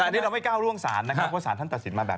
เราไม่ก้าวร่วงสารนะคะ